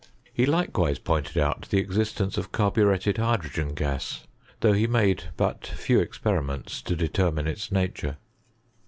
He likewisa pointed out the existence of carburetted hydrogen gas ; though he made but few eiperimeata to de termine its nature.